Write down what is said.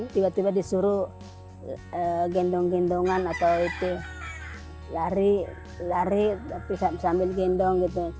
tiba tiba disuruh gendong gendongan atau itu lari lari sambil gendong gitu